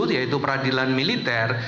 yaitu peradilan militer